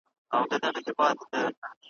په تقوا به وي مشهور په ولایت کي ,